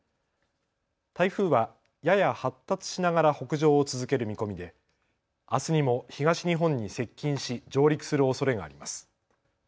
台風はやや発達しながら北上を続ける見込みであすにも東日本に接近し上陸するおそれがあります。